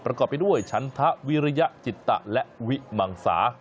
ประกอบไปด้วยฉันทวิริยจิตตะและวิมังสา